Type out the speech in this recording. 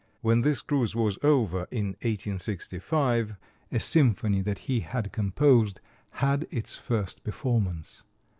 When this cruise was over, in 1865, a symphony that he had composed had its first performance.